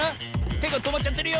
てがとまっちゃってるよ。